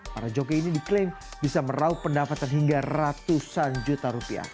para joki ini diklaim bisa merauh pendapatan hingga ratusan juta rupiah